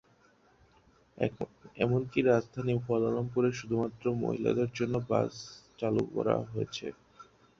এমনকি রাজধানী কুয়ালালামপুরে শুধুমাত্র মহিলাদের জন্য বাস চালু করা হয়েছে।